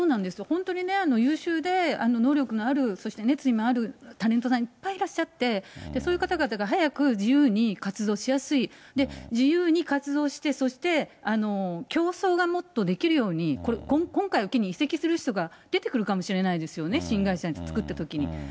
本当にね、優秀で能力がある、そして熱意もあるタレントさん、いっぱいいらっしゃって、そういう方々が早く自由に活動しやすい、自由に活動して、そして競争がもっとできるように、今回を機に移籍する人が出てくるかもしれないですよね、新会社を作ったときに。